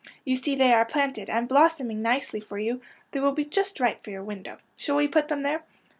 You see they are planted and blossoming nicely for you. They will be just right for your window. Shall we put them there?